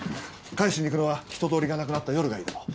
返しに行くのは人通りがなくなった夜がいいだろう。